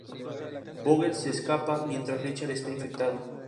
Vogel se escapa mientras Richard está infectado.